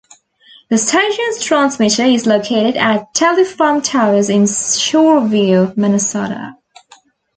The station's transmitter is located at Telefarm Towers in Shoreview, Minnesota.